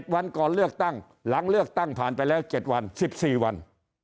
วันก่อนเลือกตั้งหลังเลือกตั้งผ่านไปแล้ว๗วัน๑๔วัน